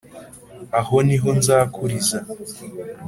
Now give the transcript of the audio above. Aho ni ho nzakuriza